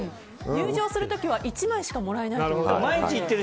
入場する時は１枚しかもらえない。